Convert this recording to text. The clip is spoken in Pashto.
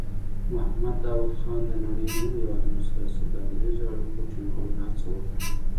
محمد داؤد خان د نړۍ نورو هېوادونو سره سوداګریزو اړیکو ټینګولو هڅه وکړه.